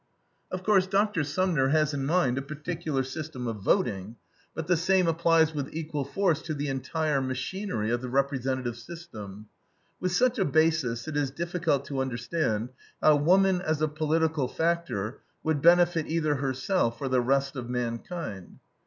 Of course, Dr. Sumner has in mind a particular system of voting, but the same applies with equal force to the entire machinery of the representative system. With such a basis, it is difficult to understand how woman, as a political factor, would benefit either herself or the rest of mankind.